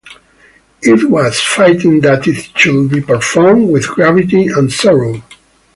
It was fitting that it should be performed with gravity and sorrow.